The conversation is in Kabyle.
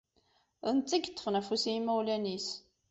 D netta i iṭṭfen afus i yimawlan-is.